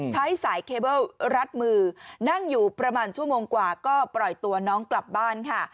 ใช้สายเคเบิ้ลรัดมือนั่งอยู่ประมาณชั่วโมงกว่าก็ปล่อยตัวน้องกลับบ้านค่ะ